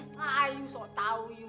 ayah kamu harus tahu